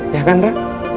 ya kan ra